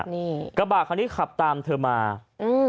นี่กระบะคันนี้ขับตามเธอมาอืม